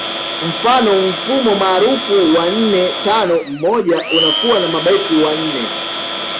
Mfano mfumo maarufu wa nne tano moja unakuwa na mabeki wanne